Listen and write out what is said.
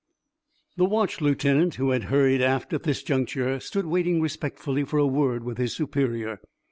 The watch lieutenant, who had hurried aft at this juncture, stood waiting respectfully for a word with his superior.